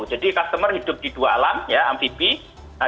jadi customer hidup di dua alam ya amphibia